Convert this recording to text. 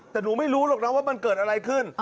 แต่หนูไม่รู้หรอกนะว่ามันเกิดอะไรขึ้น